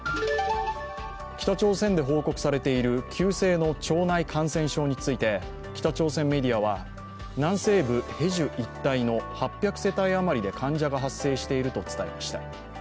北朝鮮で報告されている急性の腸内感染症について北朝鮮メディアは南西部・ヘジュ一帯の８００世帯余りで患者が発生していると伝えました。